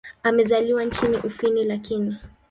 Amezaliwa nchini Ufini lakini.